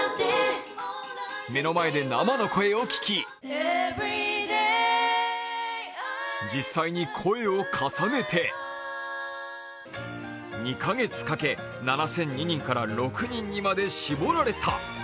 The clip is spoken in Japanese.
目の前で生の声を聴き実際に声を重ねて、２か月かけ７００２人から６人にまで絞られた。